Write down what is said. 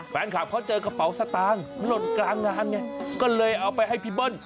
แฟนคลับเขาเจอกระเป๋าสตางค์หล่นกลางงานไงก็เลยเอาไปให้พี่เบิ้ล